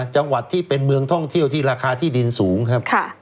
จังหวัดที่เป็นเมืองท่องเที่ยวที่ราคาที่ดินสูงครับ